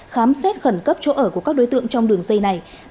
khám xét khẩn cấp chỗ ở của các đối tượng trong đường dây này